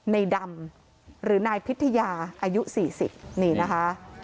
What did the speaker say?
ในดำหรือนายพิธยาอายุสี่สิบนี่นะคะ